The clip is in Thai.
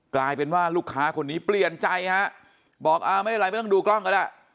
กลายเป็นว่าลูกค้าคนนี้เปลี่ยนใจฮะบอกอ่าไม่เป็นไรไม่ต้องดูกล้องก็ได้